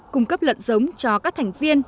cung cấp lợn giống cho các thành viên